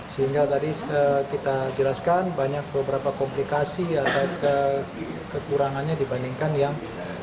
sehingga tadi kita jelaskan banyak beberapa komplikasi atau kekurangannya dibandingkan yang